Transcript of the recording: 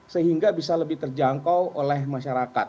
sehingga bisa lebih terjangkau oleh masyarakat